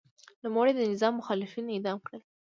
نوموړي د نظام مخالفین اعدام کړل.